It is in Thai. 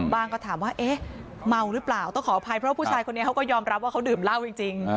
ก็ถามว่าเอ๊ะเมาหรือเปล่าต้องขออภัยเพราะผู้ชายคนนี้เขาก็ยอมรับว่าเขาดื่มเหล้าจริง